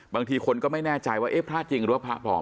บางทีคนก็ไม่แน่ใจว่าเอ๊ะพระจริงหรือว่าพระปลอม